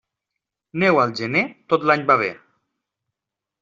Neu al gener, tot l'any va bé.